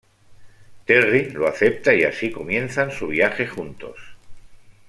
Terry lo acepta y así comienzan su viaje juntos.